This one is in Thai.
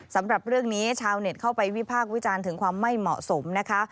สำหรับเรื่องนี้ชาวเน็ตเข้าไปวิพากษ์วิจารณ์ถึงความไม่เหมาะสมนะคะ